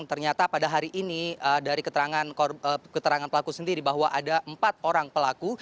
ternyata pada hari ini dari keterangan pelaku sendiri bahwa ada empat orang pelaku